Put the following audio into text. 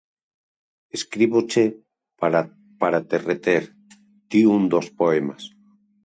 "Escríboche para te reter", di un dos poemas.